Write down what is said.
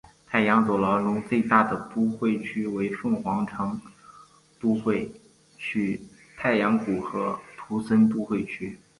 太阳走廊中最大的都会区为凤凰城都会区太阳谷和图森都会区。